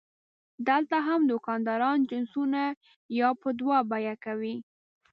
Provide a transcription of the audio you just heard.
دلته هم دوکانداران جنسونه یو په دوه بیه کوي.